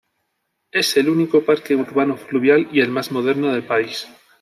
Es el único parque urbano fluvial y el más moderno del país.